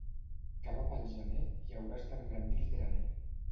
Cava pel gener i hauràs d'engrandir el graner.